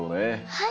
はい。